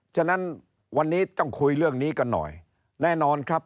ฉะนั้นวันนี้ต้องคุยเรื่องนี้กันหน่อยแน่นอนครับ